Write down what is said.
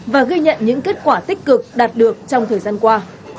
và ghi nhận những kết quả tích cực đạt được trong thời gian qua